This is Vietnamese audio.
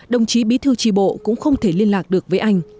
đồng chí bí thư tri bộ cũng không thể liên lạc được với anh